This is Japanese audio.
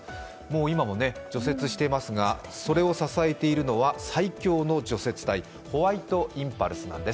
今も除雪していますが、それを支えているのは最強の除雪隊、ホワイトインパルスなんです。